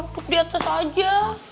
duduk di atas aja